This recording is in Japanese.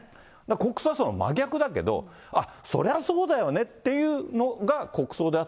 国葬は真逆だけど、あっ、そりゃそうだよねっていうのが国葬であ